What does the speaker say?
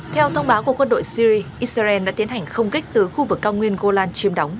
theo thông báo của quân đội syri israel đã tiến hành không kích từ khu vực cao nguyên golan chiêm đóng